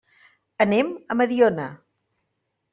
Anem a Mediona.